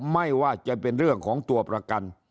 ไม่ว่าจะเป็นเรื่องของตัวประกัน